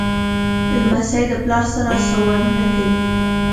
لمسی د پلار سره سوالونه کوي.